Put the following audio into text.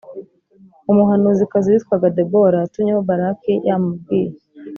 Umuhanuzikazi witwaga Debora yatumyeho Baraki Yamubwiye